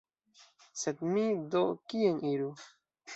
Sed mi do kien iru?